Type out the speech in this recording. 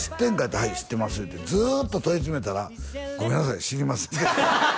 「はい知ってます」ってずーっと問い詰めたら「ごめんなさい知りません」